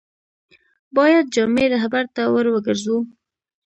باید جامع رهبرد ته ور وګرځو.